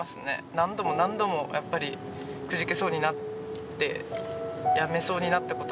何度も何度もやっぱりくじけそうになってやめそうになったこともあるし